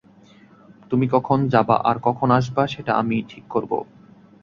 তুমি কখন যাবা আর কখন আসবা সেটা আমি ঠিক করবো।